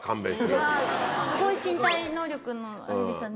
すごい身体能力のあれでしたね。